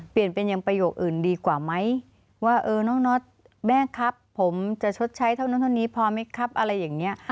เปลี่ยนเป็นอย่างประโยคอื่นดีกว่าไหมว่าเออน้องน็อตแม่ครับผมจะชดใช้เท่านั้นเท่านี้พอไหมครับอะไรอย่างนี้